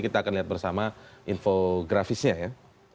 kita akan lihat bersama infografisnya ya